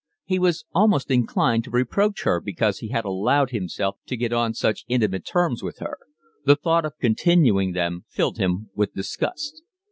He was almost inclined to reproach her because he had allowed himself to get on such intimate terms with her. The thought of continuing them filled him with disgust.